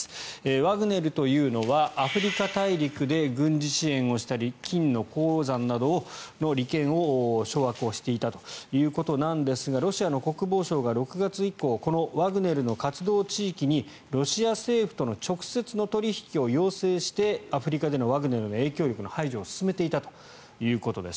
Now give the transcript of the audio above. ワグネルというのはアフリカで軍事支援をしたり金の鉱山などの利権を掌握をしていたということなんですがロシアの国防省が６月以降ワグネルの活動地域にロシア政府との直接の取引を要請してアフリカでのワグネルの影響力の排除を進めていたということです。